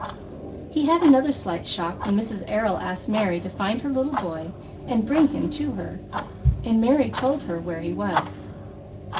He had another slight shock when Mrs. Errol asked Mary to find her little boy and bring him to her, and Mary told her where he was.